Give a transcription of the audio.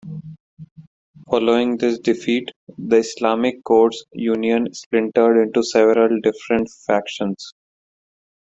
Following this defeat, the Islamic Courts Union splintered into several different factions.